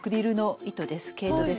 毛糸です。